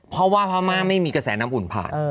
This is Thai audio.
เพราะว่าพม่าไม่มีกระแสน้ำอุ่นผ่าน